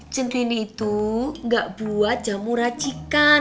centini itu gak buat jamuracikan